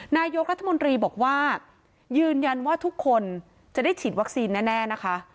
นายกรัฐมนตรีบอกว่ายืนยันว่าทุกคนจะได้ฉีดวัคซีนแน่นะคะ